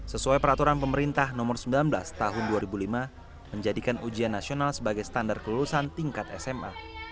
sesuai peraturan pemerintah nomor sembilan belas tahun dua ribu lima menjadikan ujian nasional sebagai standar kelulusan tingkat sma